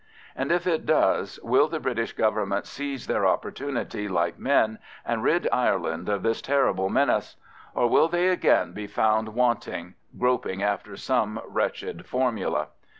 And if it does will the British Government seize their opportunity like men and rid Ireland of this terrible menace? Or will they again be found wanting, groping after some wretched formula?